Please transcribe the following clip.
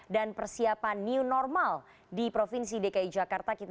dan persiapan new normal di provinsi dki jakarta